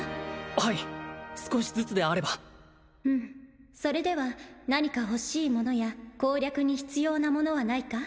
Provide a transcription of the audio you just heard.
はい少しずつであればうんそれでは何か欲しい物や攻略に必要な物はないか？